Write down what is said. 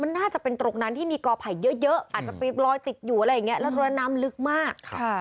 มันน่าจะเป็นตรงนั้นที่มีกอไผ่เยอะอาจจะไปลอยติดอยู่อะไรอย่างนี้แล้วน้ำลึกมาก